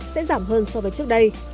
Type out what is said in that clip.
sẽ giảm hơn so với trước đây